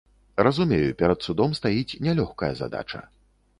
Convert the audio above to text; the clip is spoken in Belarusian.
Разумею, перад судом стаіць нялёгкая задача.